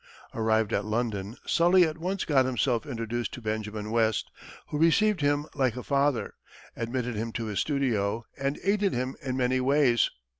Arrived at London, Sully at once got himself introduced to Benjamin West, who received him "like a father," admitted him to his studio, and aided him in many ways.